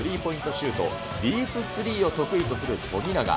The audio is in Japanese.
シュート、ディープスリーを得意とする富永。